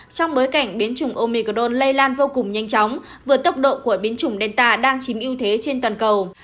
trong bối cảnh biến chủng omicol lây lan vô cùng nhanh chóng vượt tốc độ của biến chủng delta đang chiếm ưu thế trên toàn cầu